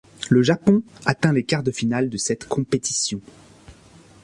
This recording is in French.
Le Japon atteint les quarts de finale de cette compétition.